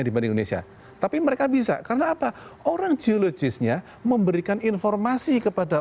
dibanding indonesia tapi mereka bisa karena apa orang geologisnya memberikan informasi kepada